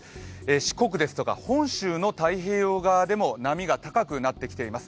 四国ですとか本州の太平洋側でも波が高くなってきています。